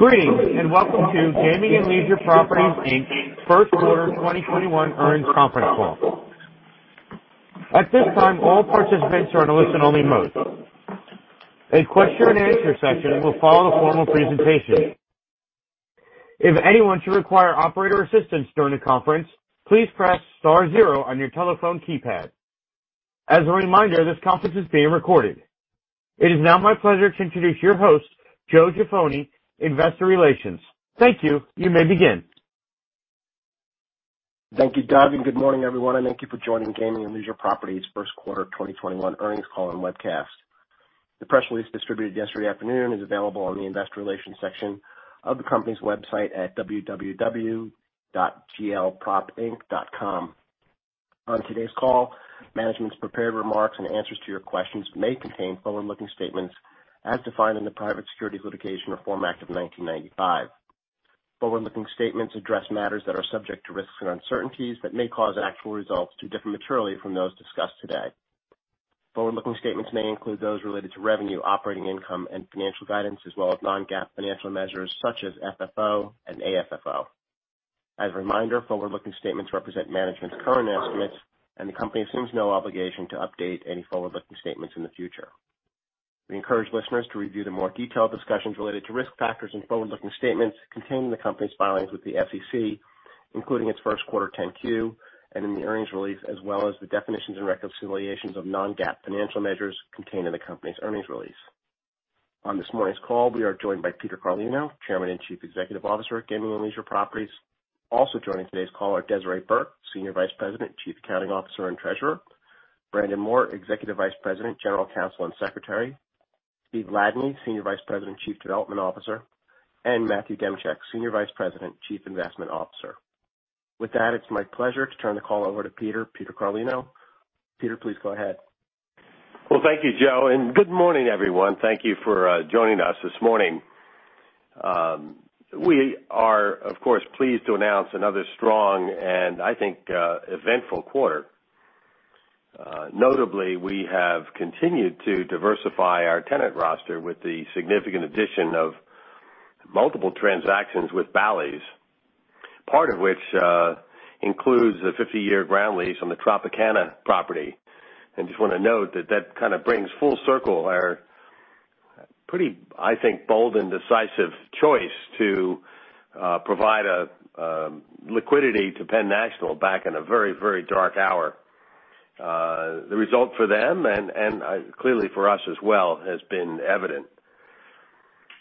Greetings, and welcome to Gaming and Leisure Properties Inc.'s Q1 2021 earnings conference call. At this time, all participants are on a listen-only mode. A question-and-answer section will follow the formal presentation. If anyone should require operator assistance during the conference, please press star zero on your telephone keypad. As a reminder, this conference is being recorded. It is now my pleasure to introduce your host, Joseph Jaffoni, Investor Relations. Thank you. You may begin. Thank you, Doug, and good morning, everyone, and thank you for joining Gaming and Leisure Properties' Q1 2021 earnings call and webcast. The press release distributed yesterday afternoon is available on the investor relations section of the company's website at www.glpropinc.com. On today's call, management's prepared remarks and answers to your questions may contain forward-looking statements as defined in the Private Securities Litigation Reform Act of 1995. Forward-looking statements address matters that are subject to risks and uncertainties that may cause actual results to differ materially from those discussed today. Forward-looking statements may include those related to revenue, operating income, and financial guidance, as well as non-GAAP financial measures such as FFO and AFFO. As a reminder, forward-looking statements represent management's current estimates and the company assumes no obligation to update any forward-looking statements in the future. We encourage listeners to review the more detailed discussions related to risk factors and forward-looking statements contained in the company's filings with the SEC, including its Q1 PENN-Q, and in the earnings release, as well as the definitions and reconciliations of non-GAAP financial measures contained in the company's earnings release. On this morning's call, we are joined by Peter Carlino, Chairman and Chief Executive Officer at Gaming and Leisure Properties. Also joining today's call are Desiree Burke, Senior Vice President, Chief Accounting Officer, and Treasurer. Brandon Moore, Executive Vice President, General Counsel, and Secretary. Steven Ladany, Senior Vice President, Chief Development Officer, and Matthew Demchyk, Senior Vice President, Chief Investment Officer. With that, it's my pleasure to turn the call over to Peter. Peter Carlino. Peter, please go ahead. Well, thank you, Joe. Good morning, everyone. Thank you for joining us this morning. We are, of course, pleased to announce another strong and I think eventful quarter. Notably, we have continued to diversify our tenant roster with the significant addition of multiple transactions with Bally's, part of which includes a 50-year ground lease on the Tropicana property. Just want to note that that kind of brings full circle our pretty, I think, bold and decisive choice to provide liquidity to Penn National back in a very dark hour. The result for them and clearly for us as well, has been evident.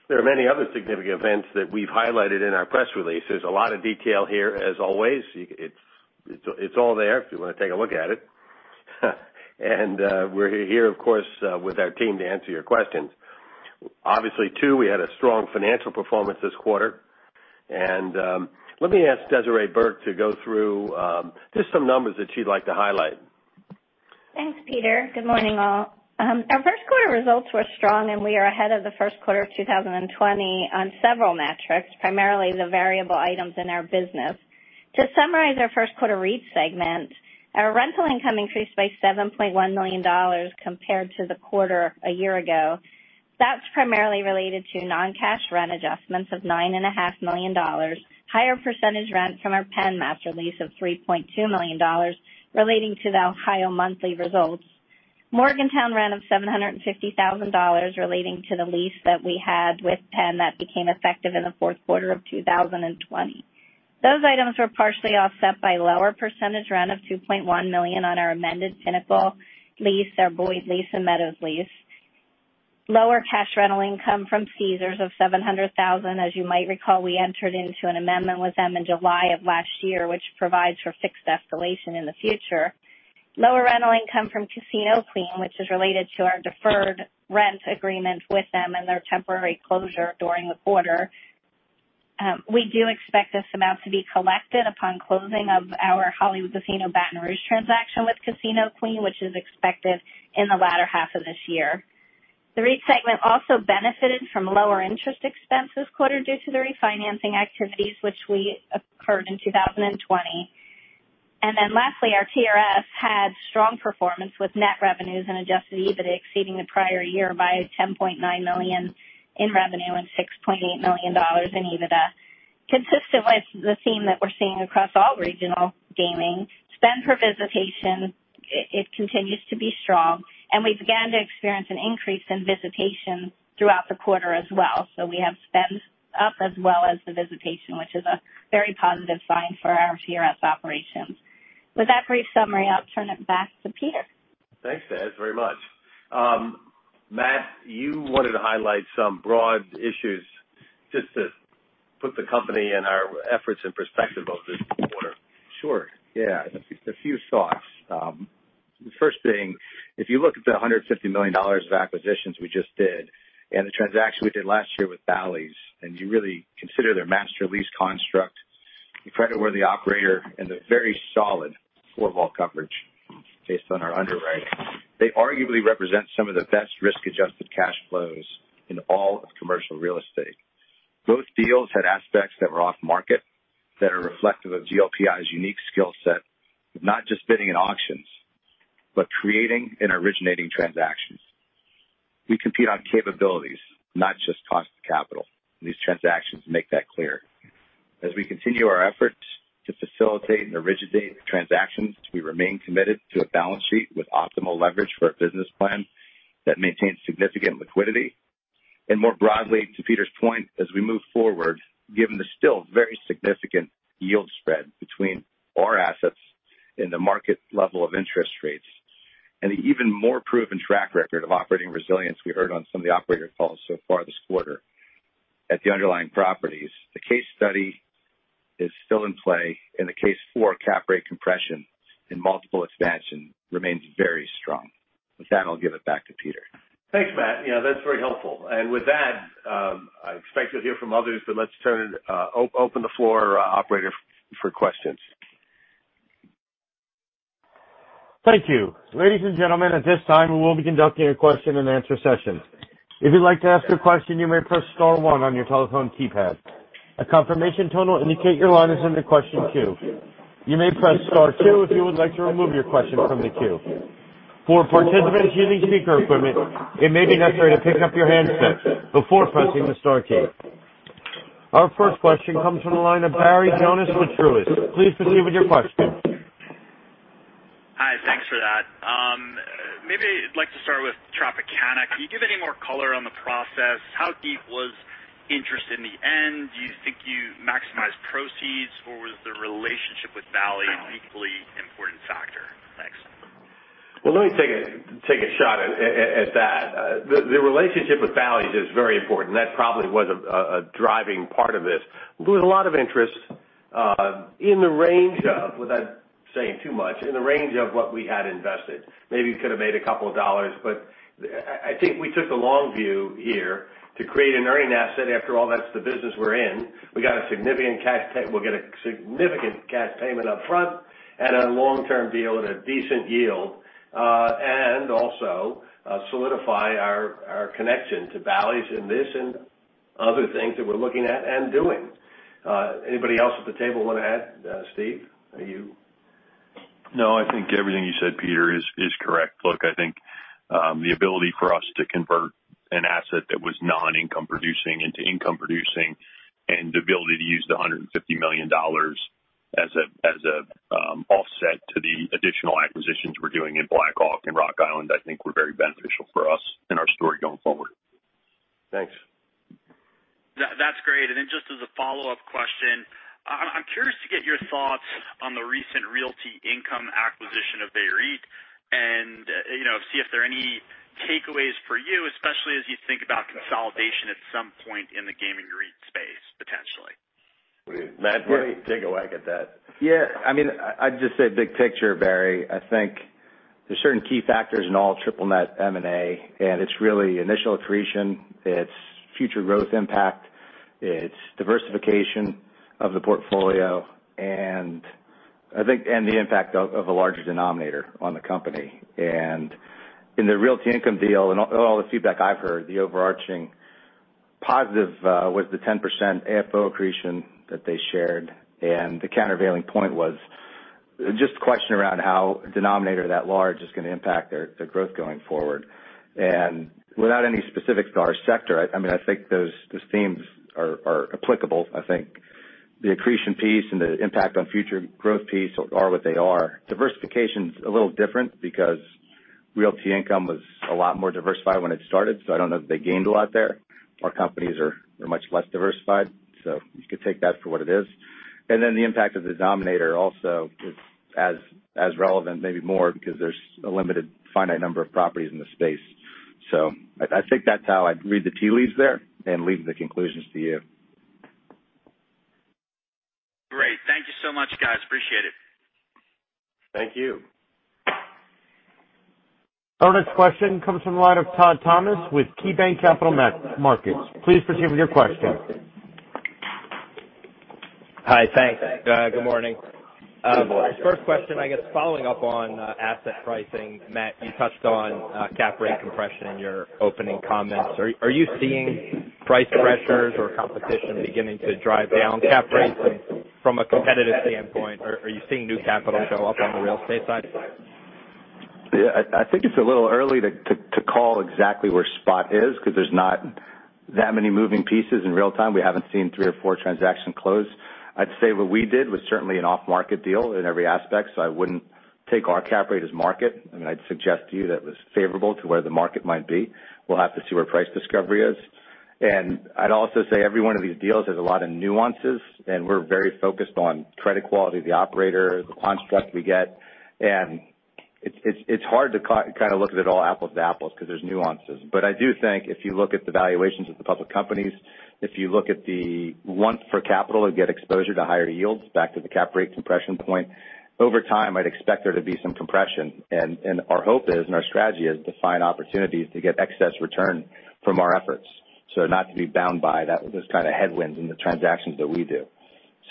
There are many other significant events that we've highlighted in our press release. There's a lot of detail here, as always. It's all there if you want to take a look at it. We're here, of course, with our team to answer your questions. Obviously, too, we had a strong financial performance this quarter and let me ask Desiree Burke to go through just some numbers that she'd like to highlight. Thanks, Peter. Good morning, all. Our Q1 results were strong, and we are ahead of the Q1 of 2020 on several metrics, primarily the variable items in our business. To summarize our Q1 REIT segment, our rental income increased by $7.1 million compared to the quarter a year ago. That's primarily related to non-cash rent adjustments of $9.5 million, higher percentage rent from our PENN master lease of $3.2 million relating to the Ohio monthly results. Morgantown rent of $750,000 relating to the lease that we had with PENN that became effective in the Q4 of 2020. Those items were partially offset by lower percentage rent of $2.1 million on our amended Pinnacle lease, our Boyd lease, and Meadows lease. Lower cash rental income from Caesars of $700,000. As you might recall, we entered into an amendment with them in July of last year, which provides for fixed escalation in the future. Lower rental income from Casino Queen, which is related to our deferred rent agreement with them and their temporary closure during the quarter. We do expect this amount to be collected upon closing of our Hollywood Casino Baton Rouge transaction with Casino Queen, which is expected in the latter half of this year. The REIT segment also benefited from lower interest expenses quarter due to the refinancing activities which occurred in 2020. Lastly, our TRS had strong performance with net revenues and adjusted EBITDA exceeding the prior year by $10.9 million in revenue and $6.8 million in EBITDA. Consistent with the theme that we're seeing across all regional gaming, spend per visitation, it continues to be strong, and we began to experience an increase in visitation throughout the quarter as well. We have spend up as well as the visitation, which is a very positive sign for our TRS operations. With that brief summary, I'll turn it back to Peter. Thanks, Des, very much. Matt, you wanted to highlight some broad issues just to put the company and our efforts in perspective of this quarter. Sure, yeah. A few thoughts. The first thing, if you look at the $150 million of acquisitions we just did and the transaction we did last year with Bally's, and you really consider their master lease construct, you creditworthy operator and the very solid four-wall coverage based on our underwriting. They arguably represent some of the best risk-adjusted cash flows in all of commercial real estate. Both deals had aspects that were off market that are reflective of GLPI's unique skill set of not just bidding at auctions. Creating and originating transactions. We compete on capabilities, not just cost of capital, and these transactions make that clear. As we continue our efforts to facilitate and originate transactions, we remain committed to a balance sheet with optimal leverage for a business plan that maintains significant liquidity. More broadly, to Peter's point, as we move forward, given the still very significant yield spread between our assets and the market level of interest rates, and the even more proven track record of operating resilience we heard on some of the operator calls so far this quarter at the underlying properties, the case study is still in play, and the case for cap rate compression and multiple expansion remains very strong. With that, I'll give it back to Peter. Thanks, Matt. That's very helpful. With that, I expect we'll hear from others, but let's open the floor, operator, for questions. Thank you. Ladies and gentlemen, at this time, we will be conducting a question-and-answer session. If you'd like to ask a question, you may press star one on your telephone keypad. A confirmation tone will indicate your line is in the question queue. You may press star two if you would like to remove your question from the queue. For participants using speaker equipment, it may be necessary to pick up your handset before pressing the star key. Our first question comes from the line of Barry Jonas with Truist. Please proceed with your question. Hi. Thanks for that. Maybe I'd like to start with Tropicana. Can you give any more color on the process? How deep was interest in the end? Do you think you maximized proceeds, or was the relationship with Bally an equally important factor? Thanks. Well, let me take a shot at that. The relationship with Bally's is very important. That probably was a driving part of this. There was a lot of interest, without saying too much, in the range of what we had invested. Maybe we could have made a couple of dollars, but I think we took the long view here to create an earning asset. After all, that's the business we're in. We'll get a significant cash payment up front and a long-term deal at a decent yield, and also solidify our connection to Bally's in this and other things that we're looking at and doing. Anybody else at the table want to add? Steven Ladany, are you? No, I think everything you said, Peter, is correct. Look, I think the ability for us to convert an asset that was non-income producing into income producing, and the ability to use the $150 million as an offset to the additional acquisitions we're doing in Black Hawk and Rock Island, I think were very beneficial for us and our story going forward. Thanks. That's great. Just as a follow-up question, I'm curious to get your thoughts on the recent Realty Income acquisition of VEREIT and see if there are any takeaways for you, especially as you think about consolidation at some point in the gaming REIT space, potentially. Matt, why don't you take a whack at that? Yeah. I'd just say big picture, Barry. I think there's certain key factors in all triple net M&A, and it's really initial accretion, it's future growth impact, it's diversification of the portfolio and the impact of a larger denominator on the company. In the Realty Income deal and all the feedback I've heard, the overarching positive was the 10% AFFO accretion that they shared, and the countervailing point was just a question around how a denominator that large is going to impact their growth going forward. Without any specifics to our sector, I think those themes are applicable. I think the accretion piece and the impact on future growth piece are what they are. Diversification's a little different because Realty Income was a lot more diversified when it started, so I don't know that they gained a lot there. Our companies are much less diversified, so you could take that for what it is. The impact of the denominator also is as relevant, maybe more, because there's a limited finite number of properties in the space. I think that's how I'd read the tea leaves there and leave the conclusions to you. Great. Thank you so much, guys. Appreciate it. Thank you. Our next question comes from the line of Todd Thomas with KeyBanc Capital Markets. Please proceed with your question. Hi. Thanks. Good morning. Good morning. First question, I guess following up on asset pricing, Matt, you touched on cap rate compression in your opening comments. Are you seeing price pressures or competition beginning to drive down cap rates from a competitive standpoint? Are you seeing new capital show up on the real estate side? I think it's a little early to call exactly where spot is because there's not that many moving pieces in real time. We haven't seen three or four transactions close. I'd say what we did was certainly an off-market deal in every aspect, so I wouldn't take our cap rate as market. I'd suggest to you that was favorable to where the market might be. We'll have to see where price discovery is. I'd also say every one of these deals has a lot of nuances, and we're very focused on credit quality of the operator, the construct we get. It's hard to look at it all apples to apples because there's nuances. I do think if you look at the valuations of the public companies, if you look at the want for capital to get exposure to higher yields, back to the cap rate compression point, over time, I'd expect there to be some compression. Our hope is and our strategy is to find opportunities to get excess return from our efforts, so not to be bound by those kind of headwinds in the transactions that we do.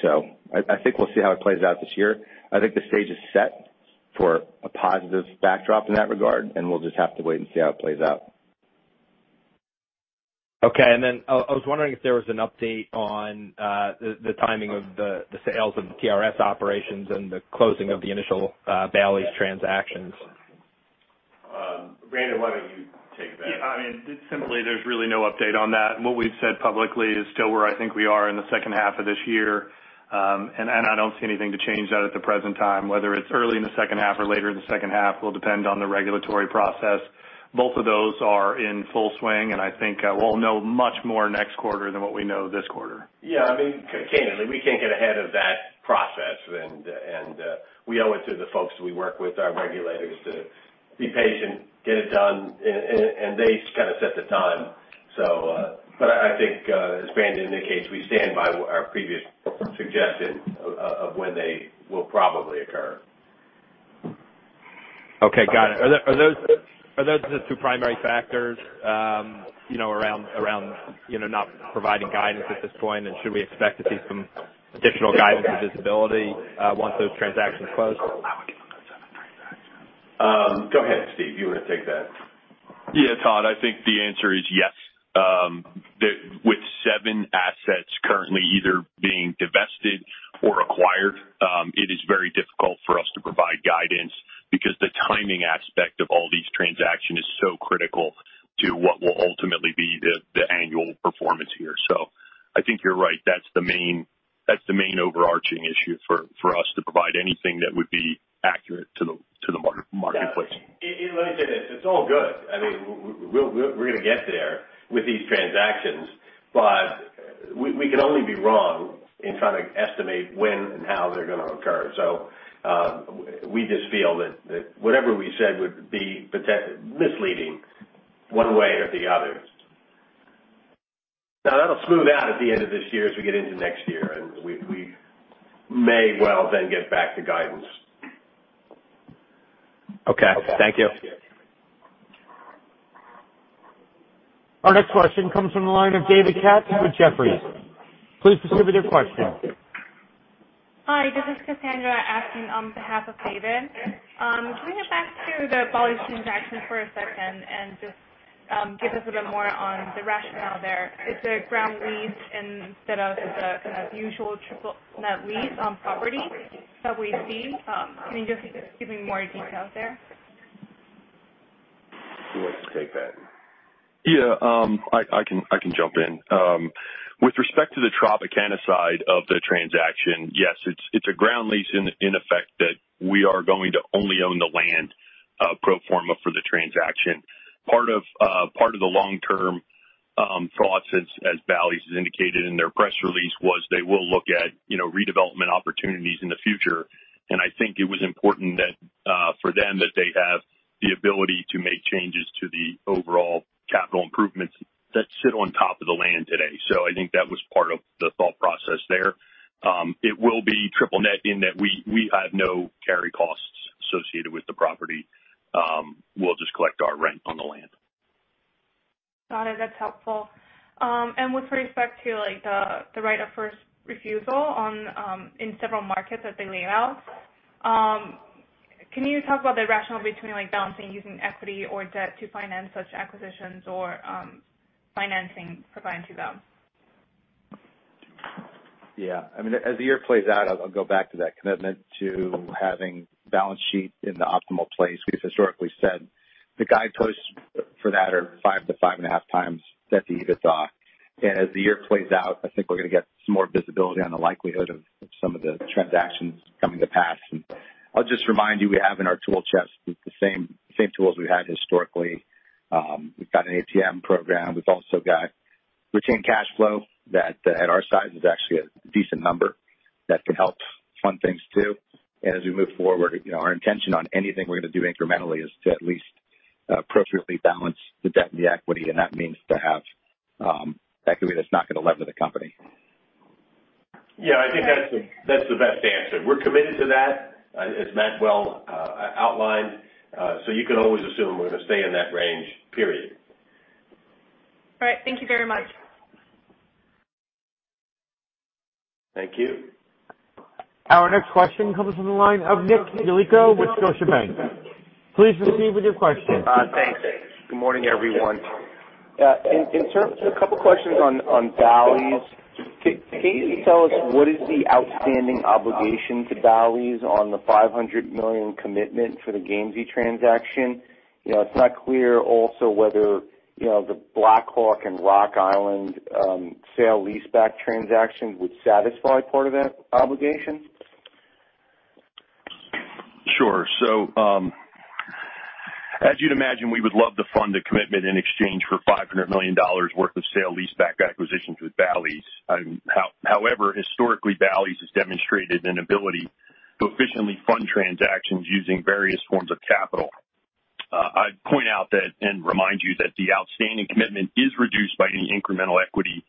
I think we'll see how it plays out this year. I think the stage is set for a positive backdrop in that regard, and we'll just have to wait and see how it plays out. Okay. I was wondering if there was an update on the timing of the sales of the TRS operations and the closing of the initial Bally's transactions. Brandon, why don't you take that? Yeah. Simply, there's really no update on that. What we've said publicly is still where I think we are in the H2 of this year. I don't see anything to change that at the present time, whether it's early in the H2 or later in the H2 will depend on the regulatory process. Both of those are in full swing, and I think we'll know much more next quarter than what we know this quarter. Yeah. Candidly, we can't get ahead of that process, and we owe it to the folks we work with, our regulators, to be patient, get it done, and they set the time. I think, as Brandon indicates, we stand by our previous suggestion of when they will probably occur. Okay. Got it. Are those the two primary factors around not providing guidance at this point, and should we expect to see some additional guidance or visibility once those transactions close? Go ahead, Steve. You want to take that? Yeah, Todd, I think the answer is yes. With seven assets currently either being divested or acquired, it is very difficult for us to provide guidance because the timing aspect of all these transaction is so critical to what will ultimately be the annual performance here. I think you're right. That's the main overarching issue for us to provide anything that would be accurate to the marketplace. Yeah. Let me say this. It's all good. We're going to get there with these transactions. We can only be wrong in trying to estimate when and how they're going to occur. We just feel that whatever we said would be misleading one way or the other. That'll smooth out at the end of this year as we get into next year, and we may well then get back to guidance. Okay. Thank you. Our next question comes from the line of David Katz with Jefferies. Please proceed with your question. Hi, this is Cassandra asking on behalf of David. Can we go back to the Bally's transaction for a second and just give us a bit more on the rationale there? It's a ground lease instead of the kind of usual triple net lease on property that we see. Can you just give me more details there? Who wants to take that? Yeah. I can jump in. With respect to the Tropicana side of the transaction, yes, it's a ground lease in effect that we are going to only own the land pro forma for the transaction. Part of the long-term thoughts as Bally's has indicated in their press release was they will look at redevelopment opportunities in the future. I think it was important that for them that they have the ability to make changes to the overall capital improvements that sit on top of the land today. I think that was part of the thought process there. It will be triple net in that we have no carry costs associated with the property. We'll just collect our rent on the land. Got it. That's helpful. With respect to the right of first refusal in several markets that they laid out, can you talk about the rationale between balancing using equity or debt to finance such acquisitions or financing provided to them? As the year plays out, I'll go back to that commitment to having balance sheet in the optimal place. We've historically said the guideposts for that are 5x-5.5x the EBITDA. As the year plays out, I think we're going to get some more visibility on the likelihood of some of the transactions coming to pass. I'll just remind you, we have in our tool chest the same tools we had historically. We've got an ATM program. We've also got retained cash flow that at our size is actually a decent number that can help fund things, too. As we move forward, our intention on anything we're going to do incrementally is to at least appropriately balance the debt and the equity, and that means to have equity that's not going to lever the company. Great. Yeah, I think that's the best answer. We're committed to that as Matt well outlined. You can always assume we're going to stay in that range, period. All right. Thank you very much. Thank you. Our next question comes from the line of Nick DeLeo with Scotiabank. Please proceed with your question. Thanks. Good morning, everyone. A couple questions on Bally's. Can you tell us what is the outstanding obligation to Bally's on the $500 million commitment for the Gamesys transaction? It's not clear also whether the Black Hawk and Rock Island sale-leaseback transaction would satisfy part of that obligation. Sure. As you'd imagine, we would love to fund a commitment in exchange for $500 million worth of sale-leaseback acquisitions with Bally's. However, historically, Bally's has demonstrated an ability to efficiently fund transactions using various forms of capital. I'd point out and remind you that the outstanding commitment is reduced by any incremental equity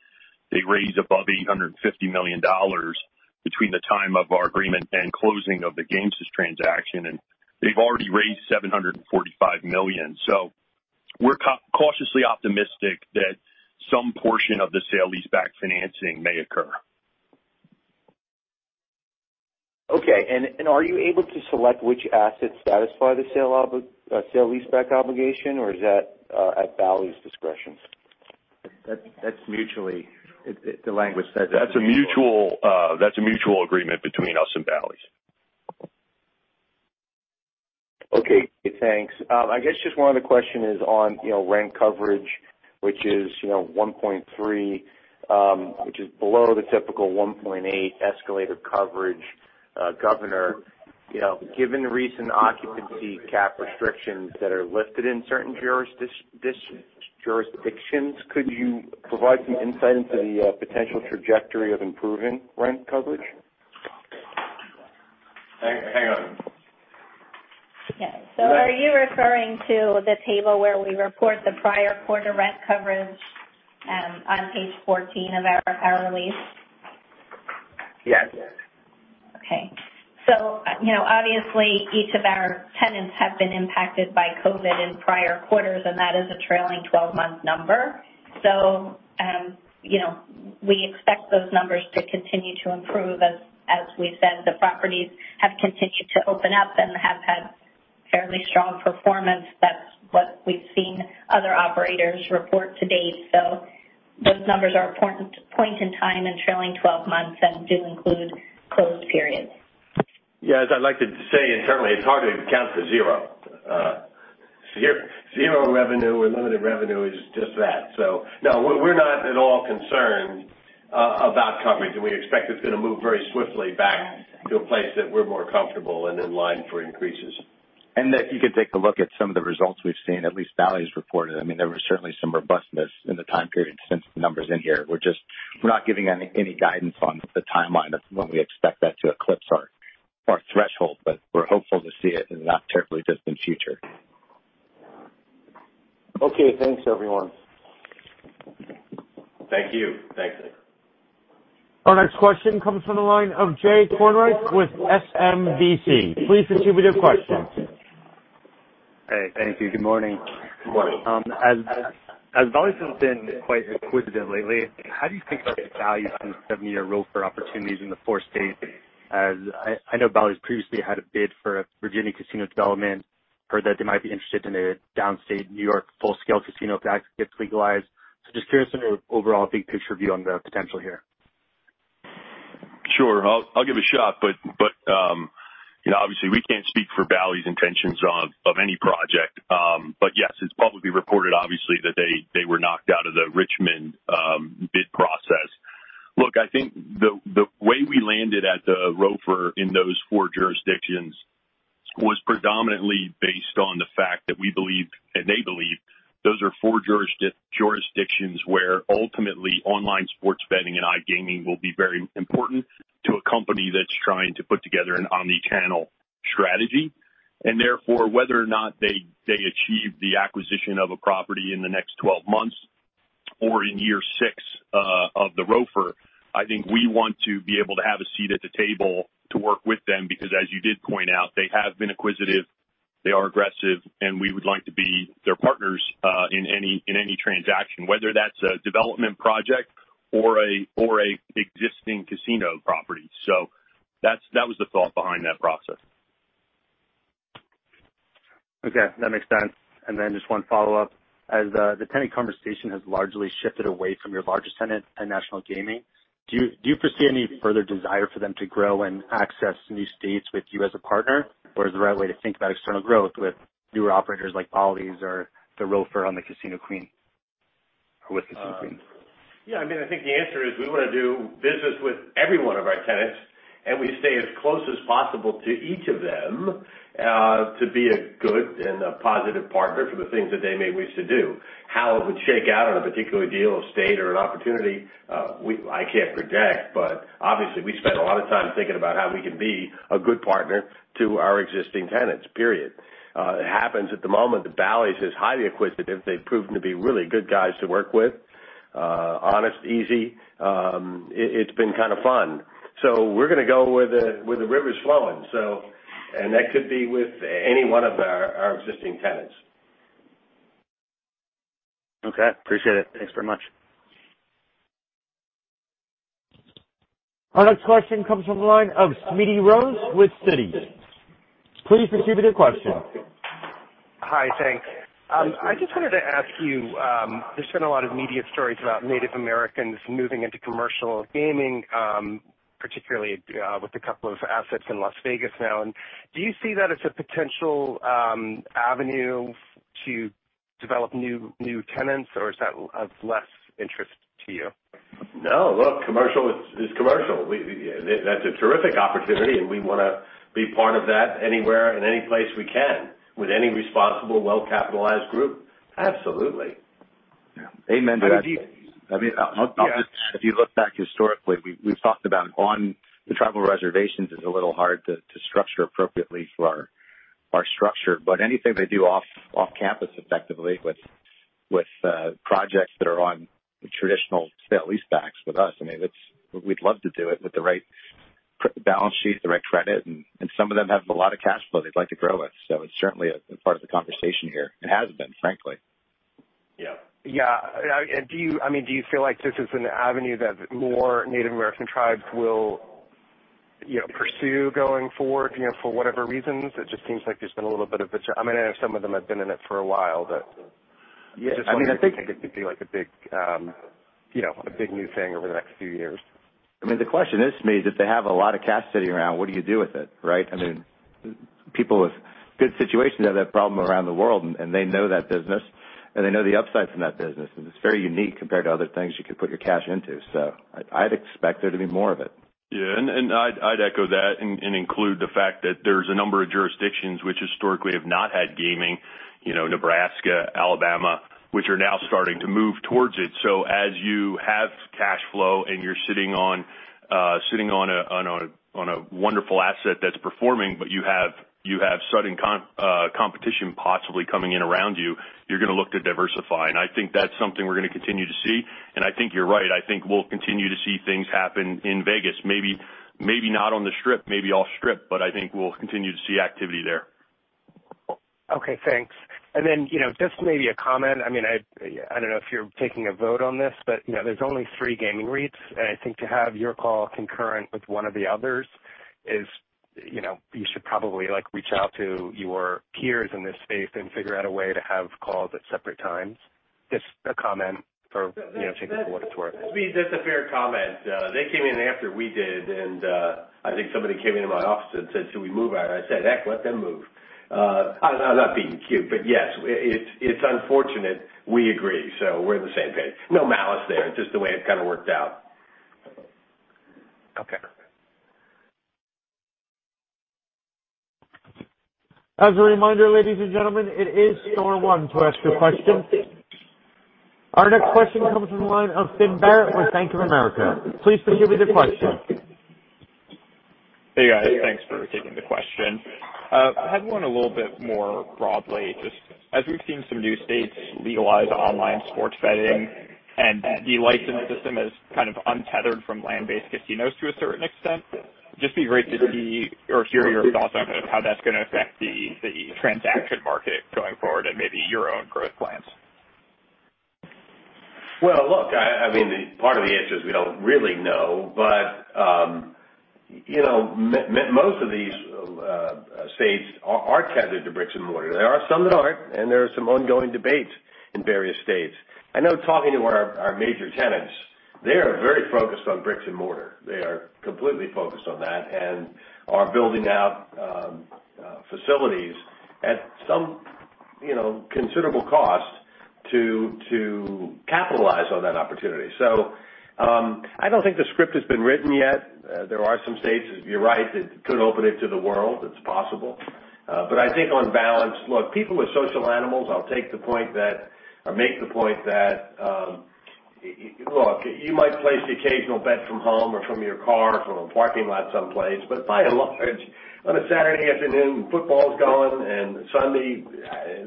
they raise above $850 million between the time of our agreement and closing of the Gamesys transaction. They've already raised $745 million. We're cautiously optimistic that some portion of the sale-leaseback financing may occur. Okay. Are you able to select which assets satisfy the sale-leaseback obligation, or is that at Bally's discretion? The language says that. That's a mutual agreement between us and Bally's. Okay. Thanks. I guess just one other question is on rent coverage, which is 1.3, which is below the typical 1.8 escalator coverage governor. Given the recent occupancy cap restrictions that are lifted in certain jurisdictions, could you provide some insight into the potential trajectory of improving rent coverage? Hang on. Yeah. Are you referring to the table where we report the prior quarter rent coverage on page 14 of our release? Yes. Okay. Obviously each of our tenants have been impacted by COVID in prior quarters, and that is a trailing 12-month number. We expect those numbers to continue to improve. As we said, the properties have continued to open up and have had fairly strong performance. That's what we've seen other operators report to-date. Those numbers are a point in time and trailing 12 months and do include closed periods. Yeah, as I'd like to say internally, it's hard to count to zero. Zero revenue or limited revenue is just that. No, we're not at all concerned about coverage, and we expect it's going to move very swiftly back to a place that we're more comfortable and in line for increases. If you could take a look at some of the results we've seen, at least Bally's reported. There was certainly some robustness in the time period since the numbers in here. We're not giving any guidance on the timeline of when we expect that to eclipse our threshold, but we're hopeful to see it in the not terribly distant future. Okay. Thanks, everyone. Thank you. Thanks. Our next question comes from the line of Jay Kornreich with SMBC. Please proceed with your question. Hey, thank you. Good morning. Good morning. As Bally's has been quite acquisitive lately, how do you think about the value from the seven-year ROFR opportunities in the four states? As I know Bally's previously had a bid for a Virginia casino development, heard that they might be interested in a downstate New York full-scale casino if that gets legalized. Just curious on your overall big picture view on the potential here. Sure. I'll give a shot, but obviously we can't speak for Bally's intentions of any project. Yes, it's publicly reported, obviously, that they were knocked out of the Richmond bid process. Look, I think the way we landed at the ROFR in those four jurisdictions was predominantly based on the fact that we believed, and they believed, those are four jurisdictions where ultimately online sports betting and iGaming will be very important to a company that's trying to put together an omni-channel strategy. Therefore, whether or not they achieve the acquisition of a property in the next 12 months or in year six of the ROFR, I think we want to be able to have a seat at the table to work with them, because as you did point out, they have been acquisitive, they are aggressive, and we would like to be their partners in any transaction, whether that's a development project or a existing casino property. That was the thought behind that process. Okay. That makes sense. Just one follow-up. As the tenant conversation has largely shifted away from your largest tenant, Penn National Gaming, do you foresee any further desire for them to grow and access new states with you as a partner? Is the right way to think about external growth with newer operators like Bally's or the ROFR on the Casino Queen, or with Casino Queen? I think the answer is we want to do business with every one of our tenants, and we stay as close as possible to each of them, to be a good and a positive partner for the things that they may wish to do. How it would shake out on a particular deal, a state or an opportunity, I can't project, but obviously we spend a lot of time thinking about how we can be a good partner to our existing tenants, period. It happens at the moment that Bally's is highly acquisitive. They've proven to be really good guys to work with. Honest, easy. It's been kind of fun. We're going to go where the river's flowing. That could be with any one of our existing tenants. Okay. Appreciate it. Thanks very much. Our next question comes from the line of Smedes Rose with Citi. Please proceed with your question. Hi. Thanks. I just wanted to ask you, there's been a lot of media stories about Native Americans moving into commercial gaming, particularly with a couple of assets in Las Vegas now, and do you see that as a potential avenue to develop new tenants, or is that of less interest to you? No. Look, commercial is commercial. That's a terrific opportunity, and we want to be part of that anywhere and any place we can with any responsible, well-capitalized group. Absolutely. Yeah. Amen to that, Smedes. If you look back historically, we've talked about on the tribal reservations is a little hard to structure appropriately for our structure. Anything they do off campus effectively with projects that are on traditional sale-leasebacks with us, we'd love to do it with the right balance sheet, the right credit, and some of them have a lot of cash flow they'd like to grow with. It's certainly a part of the conversation here. It has been, frankly. Yeah. Yeah. Do you feel like this is an avenue that more Native American tribes will pursue going forward, for whatever reasons? It just seems like there's been a little bit of I mean, I know some of them have been in it for a while. Yeah. I just wonder if you think it could be a big new thing over the next few years? The question is, to me, if they have a lot of cash sitting around, what do you do with it, right? People with good situations have that problem around the world, and they know that business, and they know the upside from that business. It's very unique compared to other things you could put your cash into. I'd expect there to be more of it. I'd echo that and include the fact that there's a number of jurisdictions which historically have not had gaming, Nebraska, Alabama, which are now starting to move towards it. As you have cash flow and you're sitting on a wonderful asset that's performing, but you have sudden competition possibly coming in around you're going to look to diversify. I think that's something we're going to continue to see, and I think you're right. I think we'll continue to see things happen in Vegas. Maybe not on the Strip, maybe off-Strip, but I think we'll continue to see activity there. Okay, thanks. Just maybe a comment. I don't know if you're taking a vote on this, but there's only three gaming REITs, and I think to have your call concurrent with one of the others is, you should probably reach out to your peers in this space and figure out a way to have calls at separate times. Just a comment for take what it's worth. That's a fair comment. They came in after we did, I think somebody came into my office and said, "Should we move ours?" I said, "Heck, let them move." I'm not being cute, but yes, it's unfortunate. We agree. We're on the same page. No malice there. Just the way it kind of worked out. Okay. As a reminder, ladies and gentlemen, it is star one to ask a question. Our next question comes from the line of Tim Barrett with Bank of America. Please feel free with your question. Hey, guys. Thanks for taking the question. Heading on a little bit more broadly, just as we've seen some new states legalize online sports betting and the license system is kind of untethered from land-based casinos to a certain extent, just be great to see or hear your thoughts on kind of how that's going to affect the transaction market going forward and maybe your own growth plans. Well, look, part of the answer is we don't really know. Most of these states are tethered to bricks and mortar. There are some that aren't, and there are some ongoing debates in various states. I know talking to our major tenants, they are very focused on bricks and mortar. They are completely focused on that and are building out facilities at some considerable cost to capitalize on that opportunity. I don't think the script has been written yet. There are some states, you're right, that could open it to the world. It's possible. I think on balance, look, people are social animals. I'll make the point that, look, you might place the occasional bet from home or from your car, from a parking lot someplace, but by and large, on a Saturday afternoon, football's going, and Sunday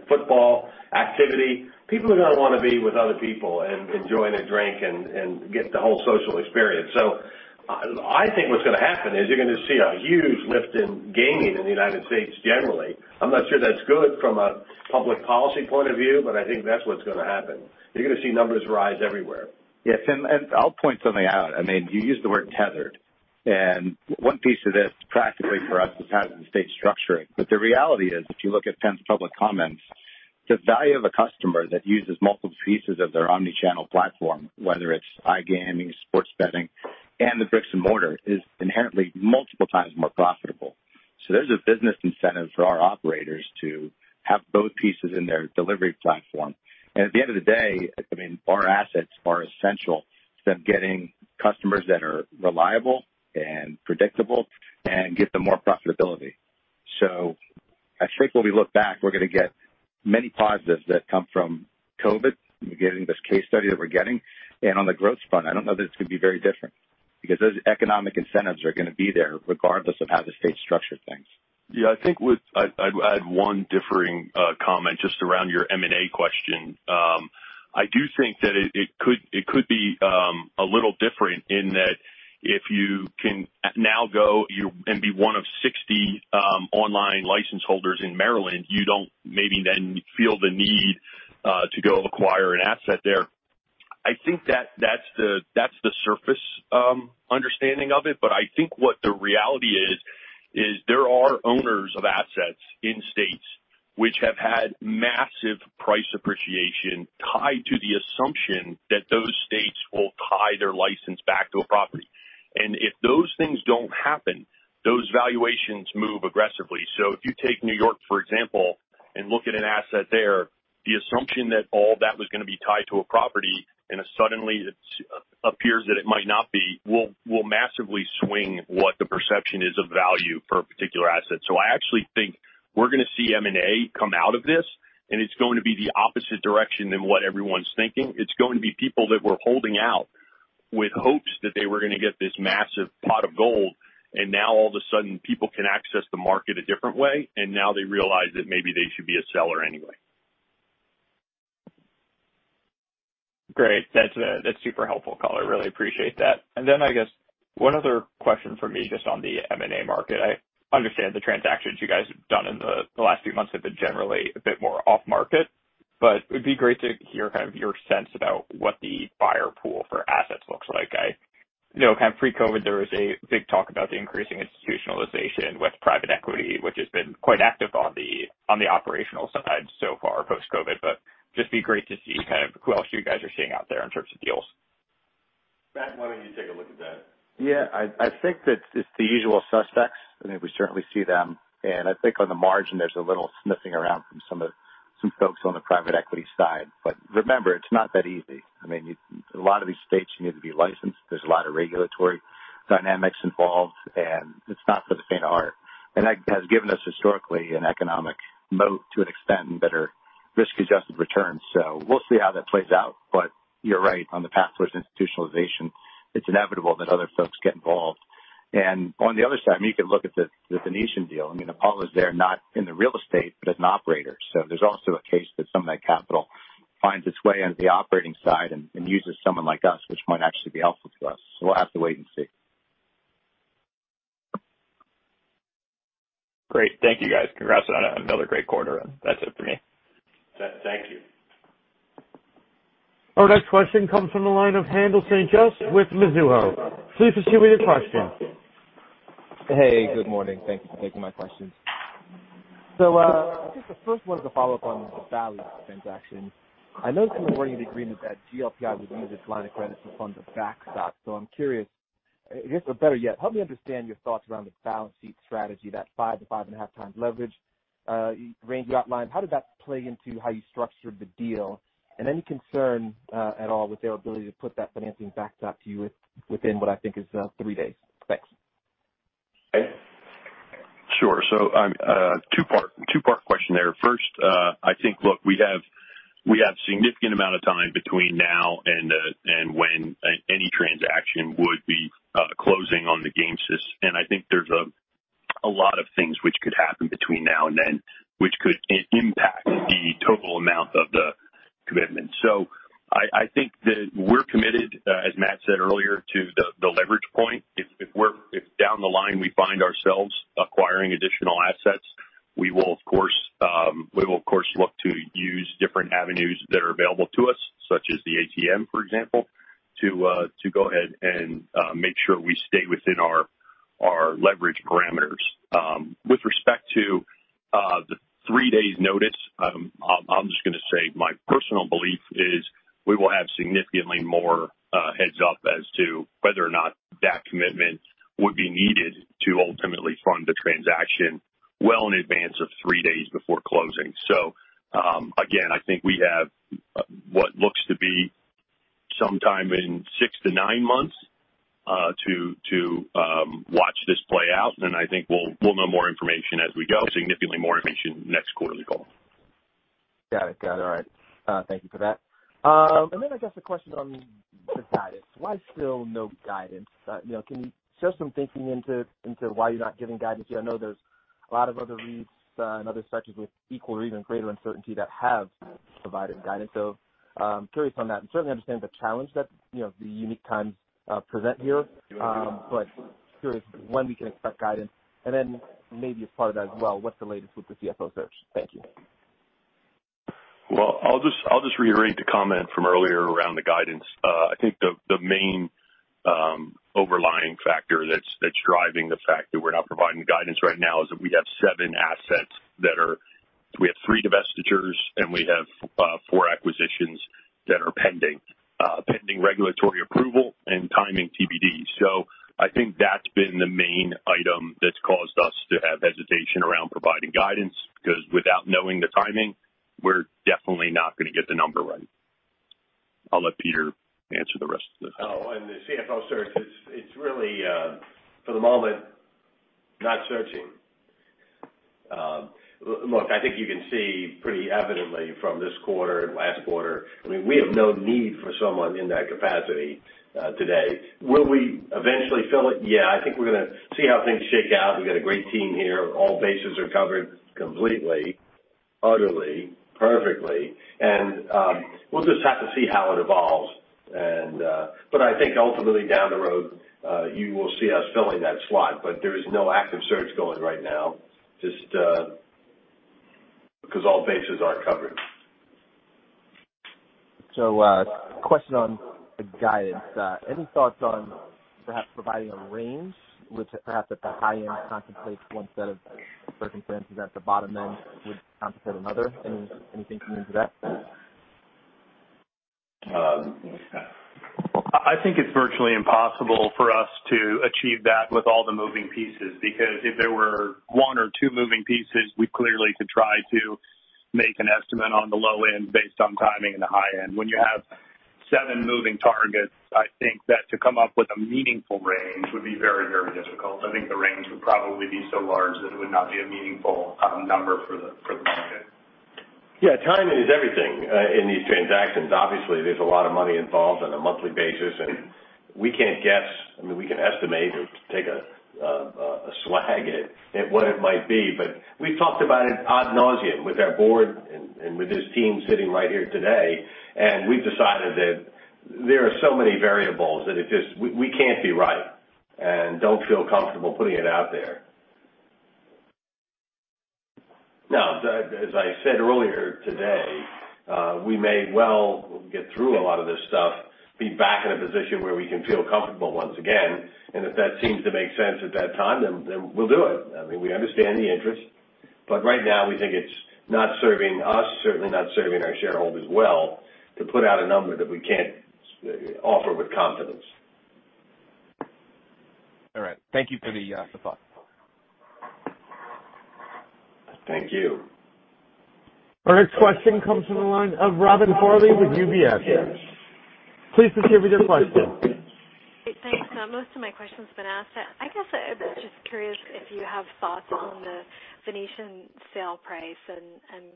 football activity, people are going to want to be with other people and enjoy their drink and get the whole social experience. I think what's going to happen is you're going to see a huge lift in gaming in the United States generally. I'm not sure that's good from a public policy point of view, but I think that's what's going to happen. You're going to see numbers rise everywhere. Yeah, Tim, I'll point something out. You used the word tethered, and one piece of this practically for us is how does the state structure it? The reality is, if you look at PENN's public comments, the value of a customer that uses multiple pieces of their omni-channel platform, whether it's iGaming, sports betting, and the bricks and mortar, is inherently multiple times more profitable. There's a business incentive for our operators to have both pieces in their delivery platform. At the end of the day, our assets are essential to them getting customers that are reliable and predictable and get them more profitability. I think when we look back, we're going to get many positives that come from COVID, getting this case study that we're getting. On the growth front, I don't know that it's going to be very different because those economic incentives are going to be there regardless of how the state structures things. Yeah, I think I'd add one differing comment just around your M&A question. I do think that it could be a little different in that if you can now go and be one of 60 online license holders in Maryland, you don't maybe then feel the need to go acquire an asset there. I think that's the surface understanding of it. I think what the reality is, there are owners of assets in states which have had massive price appreciation tied to the assumption that those states will tie their license back to a property. If those things don't happen, those valuations move aggressively. If you take New York, for example, and look at an asset there, the assumption that all that was going to be tied to a property and suddenly it appears that it might not be, will massively swing what the perception is of value for a particular asset. I actually think we're going to see M&A come out of this, and it's going to be the opposite direction than what everyone's thinking. It's going to be people that were holding out with hopes that they were going to get this massive pot of gold, and now all of a sudden, people can access the market a different way, and now they realize that maybe they should be a seller anyway. Great. That's super helpful, color. Really appreciate that. Then I guess one other question from me, just on the M&A market. I understand the transactions you guys have done in the last few months have been generally a bit more off-market, but it'd be great to hear your sense about what the buyer pool for assets looks like. I know pre-COVID, there was a big talk about the increasing institutionalization with private equity, which has been quite active on the operational side so far post-COVID, but just be great to see who else you guys are seeing out there in terms of deals. Matt, why don't you take a look at that? Yeah, I think that it's the usual suspects. I think we certainly see them. I think on the margin there's a little sniffing around from some folks on the private equity side. Remember, it's not that easy. A lot of these states, you need to be licensed. There's a lot of regulatory dynamics involved. It's not for the faint of heart. That has given us, historically, an economic moat to an extent and better risk-adjusted returns. We'll see how that plays out. You're right on the path towards institutionalization. It's inevitable that other folks get involved. On the other side, you could look at the Venetian deal. Apollo's there, not in the real estate, but as an operator. There's also a case that some of that capital finds its way onto the operating side and uses someone like us, which might actually be helpful to us. We'll have to wait and see. Great. Thank you, guys. Congrats on another great quarter. That's it for me. Thank you. Our next question comes from the line of Haendel St. Juste with Mizuho. Please proceed with your question. Hey, good morning. Thank you for taking my questions. I guess the first one is a follow-up on the Bally transaction. I noticed in the wording of the agreement that GLPI would use its line of credit to fund the backstop. I'm curious, I guess, or better yet, help me understand your thoughts around the balance sheet strategy, that 5x-5.5x leverage range you outlined. How did that play into how you structured the deal? Any concern at all with their ability to put that financing backstop to you within what I think is three days? Thanks. Hey. Sure. Two-part question there. First, I think, look, we have significant amount of time between now and when any transaction would be closing on the Gamesys. I think there's a lot of things which could happen between now and then which could impact the total amount of the commitment. I think that we're committed, as Matt said earlier, to the leverage point. If down the line we find ourselves acquiring additional assets, we will, of course, look to use different avenues that are available to us, such as the ATM, for example, to go ahead and make sure we stay within our leverage parameters. With respect to the three days notice, I'm just going to say my personal belief is we will have significantly more heads up as to whether or not that commitment would be needed to ultimately fund the transaction well in advance of three days before closing. Again, I think we have what looks to be sometime in six-nine months, to watch this play out. I think we'll know more information as we go, significantly more information next quarterly call. Got it. All right. Thank you for that. I guess a question on the guidance. Why still no guidance? Can you share some thinking into why you're not giving guidance here? I know there's a lot of other REITs and other sectors with equal or even greater uncertainty that have provided guidance. I'm curious on that, and certainly understand the challenge that the unique times present here. Curious when we can expect guidance? Maybe as part of that as well, what's the latest with the CFO search? Thank you. I'll just reiterate the comment from earlier around the guidance. I think the main overlying factor that's driving the fact that we're not providing guidance right now is that we have seven assets. We have three divestitures, and we have four acquisitions that are pending regulatory approval and timing TBD. I think that's been the main item that's caused us to have hesitation around providing guidance, because without knowing the timing, we're definitely not going to get the number right. I'll let Peter answer the rest of this. On the CFO search, it's really, for the moment, not searching. I think you can see pretty evidently from this quarter and last quarter, we have no need for someone in that capacity today. Will we eventually fill it? Yeah, I think we're going to see how things shake out. We've got a great team here. All bases are covered completely, utterly, perfectly, and we'll just have to see how it evolves. I think ultimately down the road, you will see us filling that slot. There is no active search going right now, just because all bases are covered. A question on the guidance. Any thoughts on perhaps providing a range which perhaps at the high end contemplates one set of circumstances, at the bottom-end would contemplate another? Any thinking into that? You want to start? I think it's virtually impossible for us to achieve that with all the moving pieces. If there were one or two moving pieces, we clearly could try to make an estimate on the low end based on timing and the high end. When you have seven moving targets, I think that to come up with a meaningful range would be very difficult. I think the range would probably be so large that it would not be a meaningful number for the market. Yeah, timing is everything in these transactions. Obviously, there's a lot of money involved on a monthly basis. We can't guess. We can estimate or take a swag at what it might be. We've talked about it ad nauseam with our board and with this team sitting right here today. We've decided that there are so many variables that we can't be right and don't feel comfortable putting it out there. Now, as I said earlier today, we may well get through a lot of this stuff, be back in a position where we can feel comfortable once again. If that seems to make sense at that time, we'll do it. We understand the interest. Right now we think it's not serving us, certainly not serving our shareholders well to put out a number that we can't offer with confidence. All right. Thank you for the thought. Thank you. Our next question comes from the line of Robin Farley with UBS. Please proceed with your question. Thanks. Most of my question's been asked. I guess I was just curious if you have thoughts on the Venetian sale price and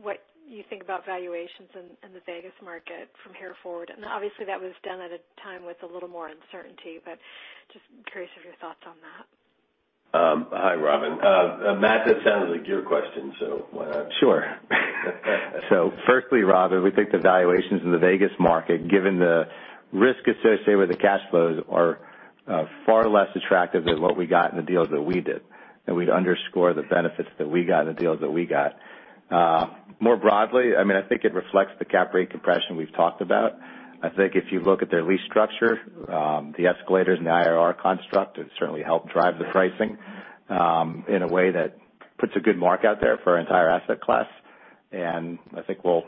what you think about valuations in the Vegas market from here forward. Obviously, that was done at a time with a little more uncertainty, but just curious of your thoughts on that. Hi, Robin. Matthew, that sounds like your question. Sure. Firstly, Robin, we think the valuations in the Vegas market, given the risk associated with the cash flows, are far less attractive than what we got in the deals that we did. We'd underscore the benefits that we got in the deals that we got. More broadly, I think it reflects the cap rate compression we've talked about. I think if you look at their lease structure, the escalators and the IRR construct, it certainly helped drive the pricing, in a way that puts a good mark out there for our entire asset class. I think we'll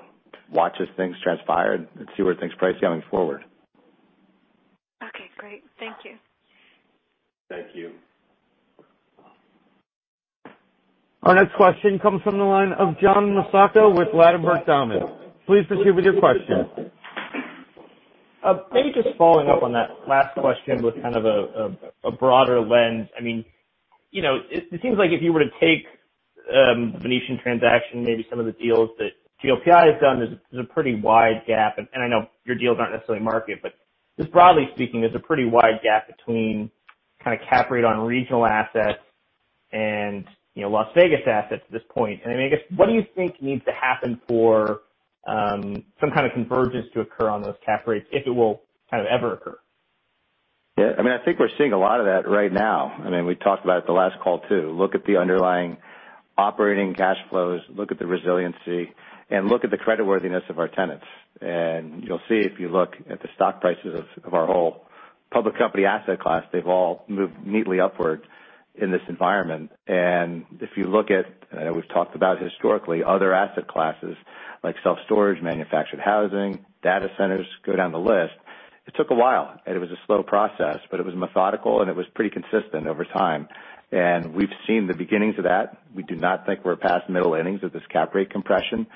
watch as things transpire and see where things price going forward. Okay, great. Thank you. Thank you. Our next question comes from the line of John DeCree with Ladenburg Thalmann. Please proceed with your question. Maybe just following up on that last question with kind of a broader lens. It seems like if you were to take the Venetian transaction, maybe some of the deals that GLPI has done, there's a pretty wide gap. I know your deals aren't necessarily market, but just broadly speaking, there's a pretty wide gap between cap rate on regional assets and Las Vegas assets at this point. I guess, what do you think needs to happen for some kind of convergence to occur on those cap rates, if it will ever occur? Yeah, I think we're seeing a lot of that right now. We talked about it the last call, too. Look at the underlying operating cash flows, look at the resiliency, and look at the creditworthiness of our tenants. You'll see if you look at the stock prices of our whole public company asset class, they've all moved neatly upward in this environment. If you look at, I know we've talked about historically, other asset classes like self-storage, manufactured housing, data centers, go down the list, it took a while, and it was a slow process, but it was methodical, and it was pretty consistent over time. We've seen the beginnings of that. We do not think we're past middle innings of this cap rate compression.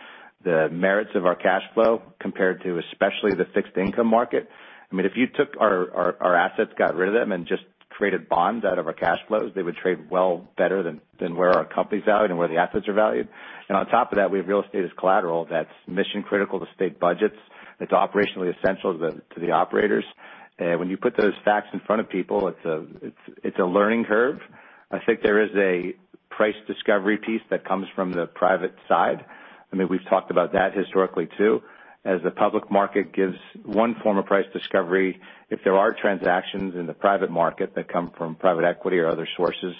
The merits of our cash flow compared to especially the fixed income market. If you took our assets, got rid of them, and just created bonds out of our cash flows, they would trade well better than where our company's valued and where the assets are valued. On top of that, we have real estate as collateral that's mission-critical to state budgets. It's operationally essential to the operators. When you put those facts in front of people, it's a learning curve. I think there is a price discovery piece that comes from the private side. We've talked about that historically, too. As the public market gives one form of price discovery, if there are transactions in the private market that come from private equity or other sources,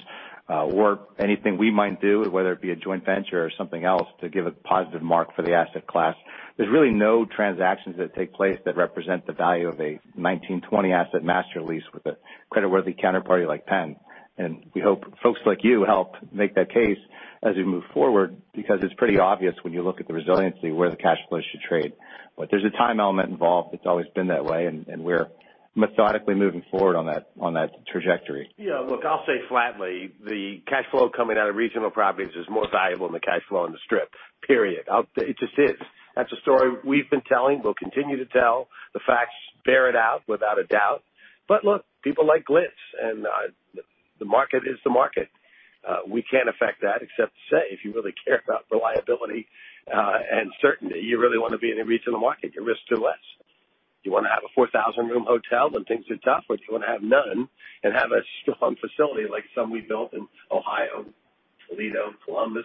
or anything we might do, whether it be a joint venture or something else to give a positive mark for the asset class. There's really no transactions that take place that represent the value of asset master lease with a creditworthy counterparty like Penn. We hope folks like you help make that case as we move forward because it's pretty obvious when you look at the resiliency where the cash flows should trade. There's a time element involved. It's always been that way, and we're methodically moving forward on that trajectory. Yeah, look, I'll say flatly, the cash flow coming out of regional properties is more valuable than the cash flow on the Strip, period. It just is. That's a story we've been telling. We'll continue to tell. The facts bear it out without a doubt. Look, people like glitz, and the market is the market. We can't affect that except to say, if you really care about reliability and certainty, you really want to be in a regional market. Your risk is less. You want to have a 4,000-room hotel when things are tough, or do you want to have none and have a strong facility like some we built in Ohio, Toledo, Columbus?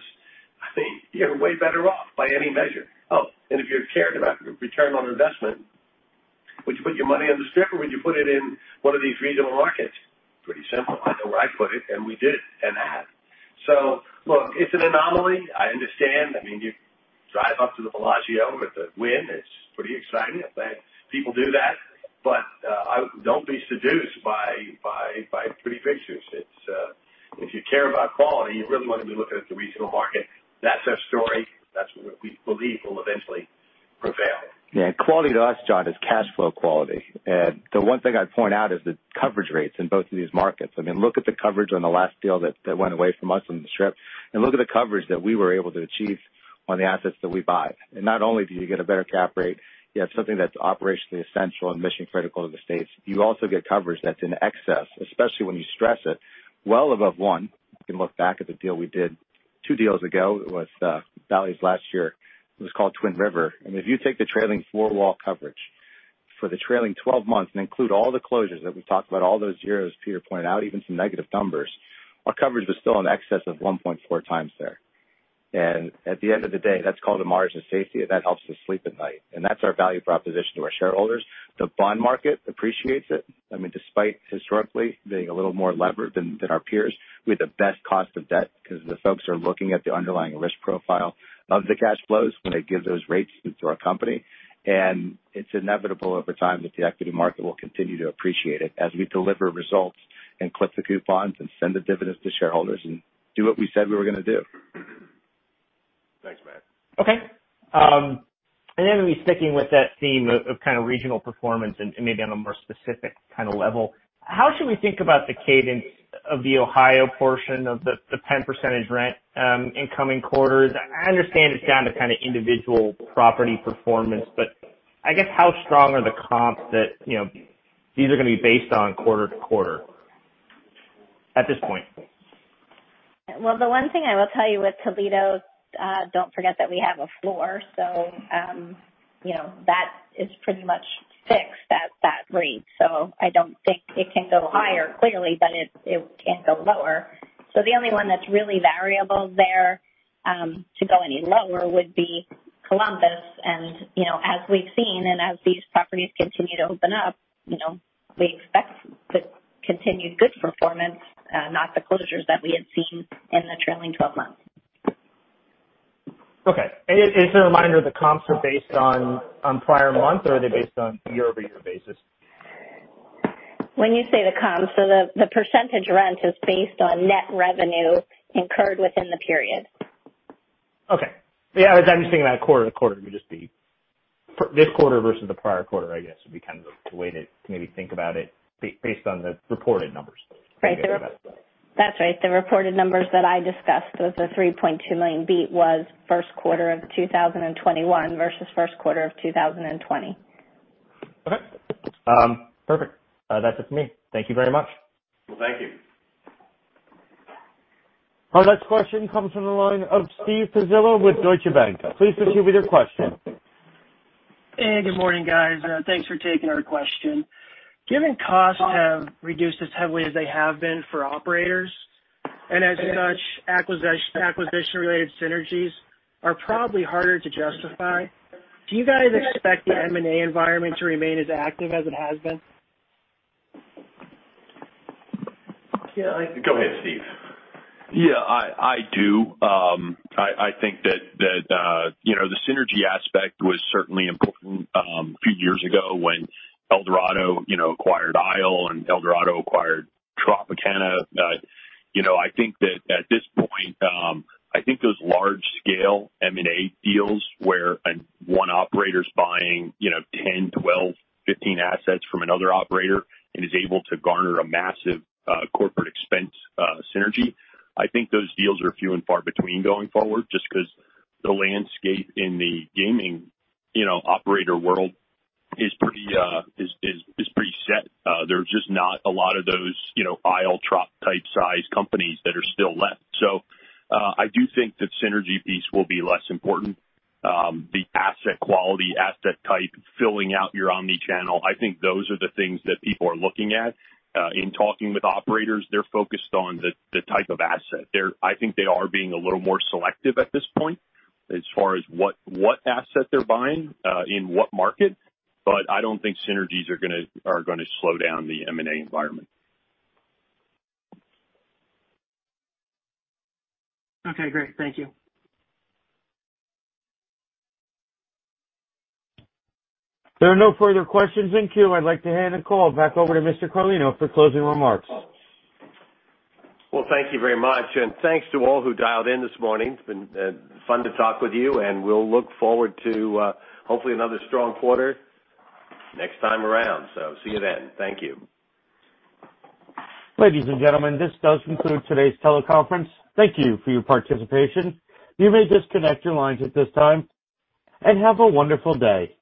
You're way better off by any measure. If you cared about return on investment, would you put your money on the Strip, or would you put it in one of these regional markets? Pretty simple. I know where I'd put it, we did and have. Look, it's an anomaly. I understand. You drive up to the Bellagio the Wynn. It's pretty exciting. I'm glad people do that. Don't be seduced by pretty pictures. If you care about quality, you really want to be looking at the regional market. That's our story. That's what we believe will eventually prevail. Yeah, quality of us, John, is cash flow quality. The one thing I'd point out is the coverage rates in both of these markets. Look at the coverage on the last deal that went away from us on the Strip, and look at the coverage that we were able to achieve on the assets that we buy. Not only do you get a better cap rate, you have something that's operationally essential and mission-critical to the states. You also get coverage that's in excess, especially when you stress it well above one. You can look back at the deal we did Two deals ago, it was valued last year, it was called Twin River. If you take the trailing four-wall coverage for the trailing 12 months and include all the closures that we talked about, all those zeros Peter pointed out, even some negative numbers, our coverage was still in excess of 1.4x there. At the end of the day, that's called a margin of safety, and that helps us sleep at night. That's our value proposition to our shareholders. The bond market appreciates it. Despite historically being a little more levered than our peers, we have the best cost of debt because the folks are looking at the underlying risk profile of the cash flows when they give those rates to our company. It's inevitable over time that the equity market will continue to appreciate it as we deliver results and clip the coupons and send the dividends to shareholders and do what we said we were going to do. Thanks, Matt. Okay. Then we'll be sticking with that theme of regional performance and maybe on a more specific kind of level. How should we think about the cadence of the Ohio portion of the 10 percentage rent in coming quarters? I understand it's down to kind of individual property performance. I guess how strong are the comps that these are going to be based on quarter-to-quarter at this point? Well, the one thing I will tell you with Toledo, don't forget that we have a floor. That is pretty much fixed at that rate. I don't think it can go higher, clearly, but it can go lower. The only one that's really variable there to go any lower would be Columbus. As we've seen and as these properties continue to open up, we expect to continue good performance, not the closures that we had seen in the trailing 12 months. Okay. As a reminder, the comps are based on prior month, or are they based on year-over-year basis? When you say the comps, the percentage rent is based on net revenue incurred within the period. Okay. Yeah, I'm just thinking about quarter-to-quarter would just be this quarter versus the prior quarter, I guess, would be kind of the way to maybe think about it based on the reported numbers. Right. That's right. The reported numbers that I discussed with the $3.2 million beat was Q1 of 2021 versus Q1 of 2020. Okay. Perfect. That's it for me. Thank you very much. Well, thank you. Our next question comes from the line of Carlo Santarelli with Deutsche Bank. Please proceed with your question. Hey, good morning, guys. Thanks for taking our question. Given costs have reduced as heavily as they have been for operators, and as such, acquisition-related synergies are probably harder to justify, do you guys expect the M&A environment to remain as active as it has been? Go ahead, Steve. Yeah, I do. I think that the synergy aspect was certainly important a few years ago when Eldorado acquired Isle and Eldorado acquired Tropicana. I think that at this point, I think those large-scale M&A deals where one operator's buying 10, 12, 15 assets from another operator and is able to garner a massive corporate expense synergy. I think those deals are few and far between going forward just because the landscape in the gaming operator world is pretty set. There's just not a lot of those Isle, Trop type size companies that are still left. So I do think the synergy piece will be less important. The asset quality, asset type, filling out your omni-channel, I think those are the things that people are looking at. In talking with operators, they're focused on the type of asset. I think they are being a little more selective at this point as far as what asset they're buying in what market, but I don't think synergies are going to slow down the M&A environment. Okay, great. Thank you. There are no further questions in queue. I'd like to hand the call back over to Mr. Carlino for closing remarks. Well, thank you very much. Thanks to all who dialed in this morning. It's been fun to talk with you, and we'll look forward to hopefully another strong quarter next time around. See you then. Thank you. Ladies and gentlemen, this does conclude today's teleconference. Thank you for your participation. You may disconnect your lines at this time, and have a wonderful day.